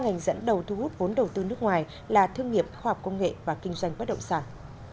ngành dẫn đầu thu hút vốn đầu tư nước ngoài là thương nghiệp khoa học công nghệ và kinh doanh bất động sản